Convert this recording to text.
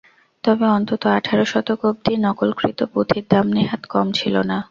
তবে অন্তত আঠারো শতক অব্দি নকলকৃত পুথির দাম নেহাত কম ছিল না।